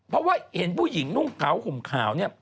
เพราะว่าเห็นผู้หญิงนุ่งขาวห่มขาวเนี่ย